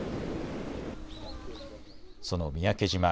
その三宅島。